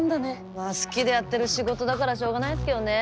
まあ好きでやってる仕事だからしょうがないっすけどね。